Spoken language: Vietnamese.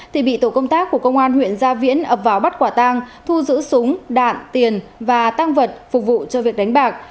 thì bị tổ công tác của công an huyện gia viễn ập vào bắt quả tang thu giữ súng đạn tiền và tăng vật phục vụ cho việc đánh bạc